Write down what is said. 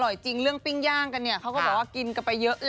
จริงเรื่องปิ้งย่างกันเนี่ยเขาก็บอกว่ากินกันไปเยอะแล้ว